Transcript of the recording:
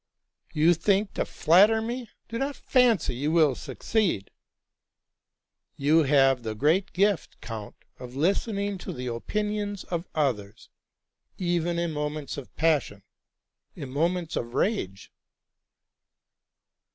'''* You think to flatter me! Do not fancy you will sue eeed:"' '* You have the great gift, count, of listening to the opin ions of others, even in moments of passion— in moments of rage."